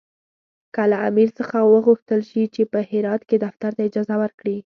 که له امیر څخه وغوښتل شي چې په هرات کې دفتر ته اجازه ورکړي.